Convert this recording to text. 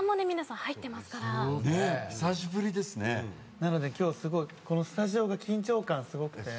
なので今日このスタジオが緊張感すごくて。